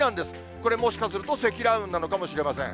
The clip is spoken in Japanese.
これ、もしかすると積乱雲なのかもしれません。